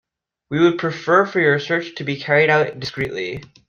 We would prefer for your search to be carried out discreetly.